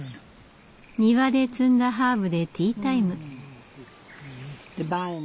庭で摘んだハーブでティータイム。